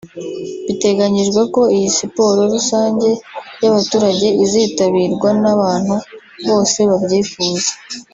Biteganyijwe ko iyi siporo rusange y’abaturage izitabirwa n’abantu bose babyifuza